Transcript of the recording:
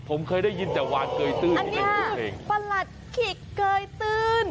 ผมเคยได้ยินแต่วานเกยตื้นอยู่ในคลุมเพลงอันนี้คือประหลัดขีกเกยตื้น